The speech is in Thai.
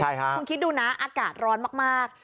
คุณคิดดูนะอากาศร้อนมาก